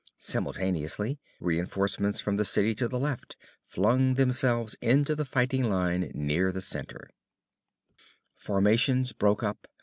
Simultaneously, reinforcements from the city to the left flung themselves into the fighting line near the center. Formations broke up.